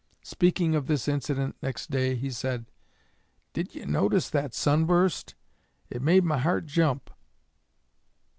Speaking of this incident next day, he said, "Did you notice that sunburst? It made my heart jump."